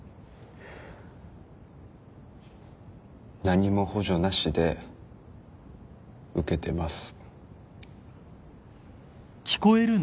何も補助なしで受けてます。